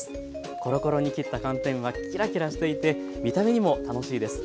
コロコロに切った寒天はキラキラしていて見た目にも楽しいです。